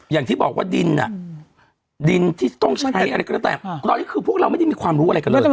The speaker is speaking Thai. อย่างที่บอกว่าดินอ่ะดินดินที่ต้องใช้อะไรก็แล้วแต่ตอนนี้คือพวกเราไม่ได้มีความรู้อะไรกันเลย